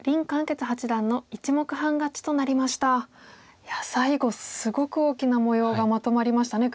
いや最後すごく大きな模様がまとまりましたね黒。